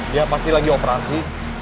dia pasti lagi operasi